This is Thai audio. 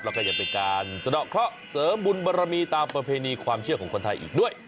แล้วก็จะเป็นการเสด็จข้อเสริมบุญบรรมีตามประเพณีความเชื่อของคนไทยอีกด้วย